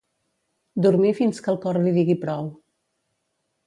Dormir fins que el cor li digui prou.